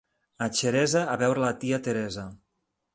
A Xeresa, a veure la tia Teresa.